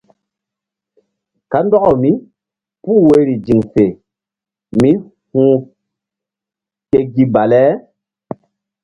Kandɔkaw mípuh woyri ziŋ fe mí hu̧h ke gi bale.